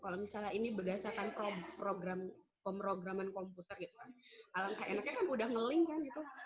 kalau misalnya ini berdasarkan pemrograman komputer alangkah enaknya kan sudah nge link kan gitu